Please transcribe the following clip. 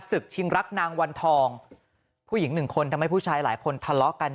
ศึกชิงรักนางวันทองผู้หญิงหนึ่งคนทำให้ผู้ชายหลายคนทะเลาะกัน